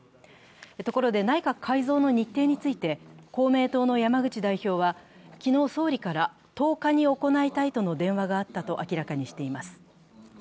ところで、内閣改造の日程について公明党の山口代表は、昨日総理から１０日に行いたいとの電話があったと明らかにしています。